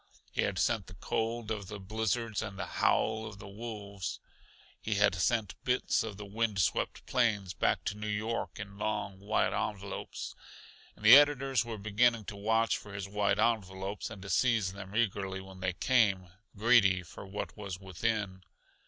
He had sent the cold of the blizzards and the howl of the wolves; he had sent bits of the wind swept plains back to New York in long, white envelopes. And the editors were beginning to watch for his white envelopes and to seize them eagerly when they came, greedy for what was within.